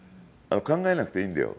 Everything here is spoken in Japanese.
考えなくていいんだよ。